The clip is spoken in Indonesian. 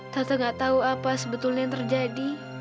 tante gak tahu apa sebetulnya yang terjadi